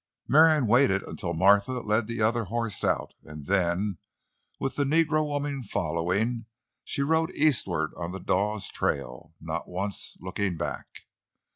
Marion waited until Martha led the other horse out, and then, with the negro woman following, she rode eastward on the Dawes trail, not once looking back.